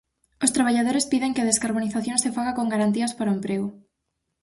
Os traballadores piden que a descarbonización se faga con garantías para o emprego.